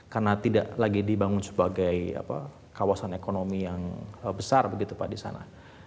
karena tidak lagi dibangun sebagai kawasan ekonomi yang besar begitu pak di sana